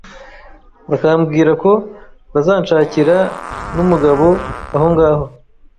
bakambwira ko bazanshakira n’umugabo ahongaho